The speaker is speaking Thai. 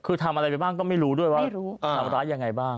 คือทำอะไรไปบ้างก็ไม่รู้ด้วยว่าทำร้ายยังไงบ้าง